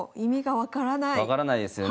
分からないですよね。